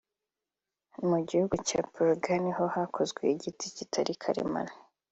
Mu gihugu cya pologne ho hakozwe igiti kitari karemano